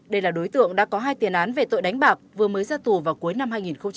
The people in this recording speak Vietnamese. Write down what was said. đây là đối tượng đã có hai tiền án về tội đánh bạc vừa mới ra tù vào cuối năm hai nghìn hai mươi ba